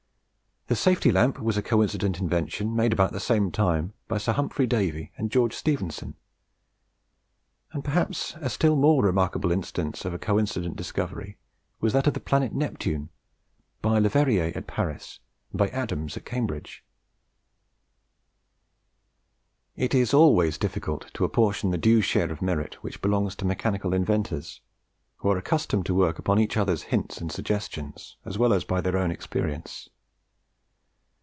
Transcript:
The safety lamp was a coincident invention, made about the same time by Sir Humphry Davy and George Stephenson; and perhaps a still more remarkable instance of a coincident discovery was that of the planet Neptune by Leverrier at Paris, and by Adams at Cambridge. It is always difficult to apportion the due share of merit which belongs to mechanical inventors, who are accustomed to work upon each other's hints and suggestions, as well as by their own experience.